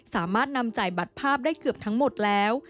สามารถนำจ่ายบัตรภาพได้เกือบทั้งหมดแล้ว